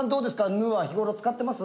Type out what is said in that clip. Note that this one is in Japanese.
「ぬ」は日頃使ってます？